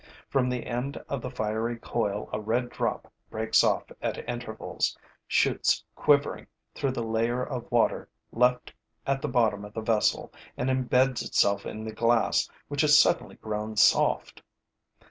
From the end of the fiery coil a red drop breaks off at intervals, shoots quivering through the layer of water left at the bottom of the vessel and embeds itself in the glass which has suddenly grown soft.